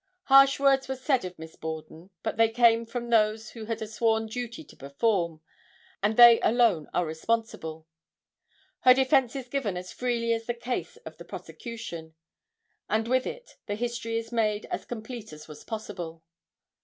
Harsh words were said of Miss Borden, but they came from those who had a sworn duty to perform, and they alone are responsible. Her defense is given as freely as the case of the prosecution, and with it the history is made as complete as was possible.